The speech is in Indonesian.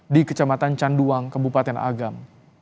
di kecamatan canduang kabupaten agam